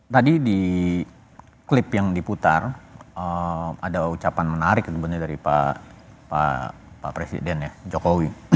tadi di klip yang diputar ada ucapan menarik sebenarnya dari pak presiden ya jokowi